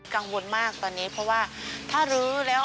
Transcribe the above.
กังวลมากตอนนี้เพราะว่าถ้ารื้อแล้ว